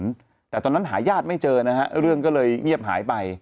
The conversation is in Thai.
แต่ตอนนั้นหาญาติไม่เจอนะฮะเรื่องก็เลยเงียบหายไป